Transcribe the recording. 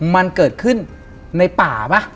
มันเกิดขึ้นในป่าป่ะ